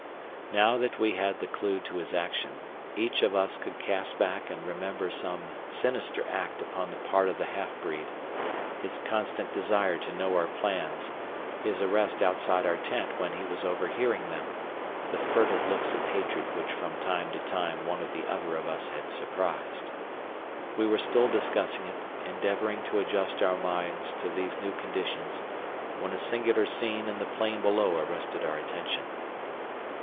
Now that we had the clue to his action, each of us could cast back and remember some sinister act upon the part of the half breed his constant desire to know our plans, his arrest outside our tent when he was over hearing them, the furtive looks of hatred which from time to time one or other of us had surprised. We were still discussing it, endeavoring to adjust our minds to these new conditions, when a singular scene in the plain below arrested our attention.